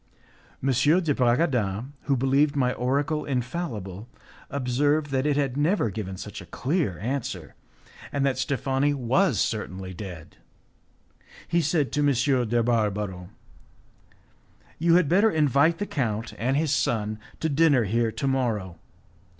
M. de Bragadin, who believed my oracle infallible, observed that it had never given such a clear answer, and that Steffani was certainly dead. He said to M. de Barbaro, "You had better invite the count and his son to dinner here to morrow.